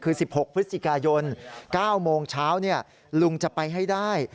คือ๑๖พฤศจิกายน๙โมงเช้าลุงจะไปให้ได้